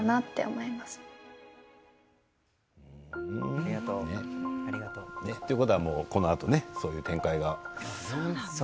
ありがとう。ということはこのあとそういう展開が。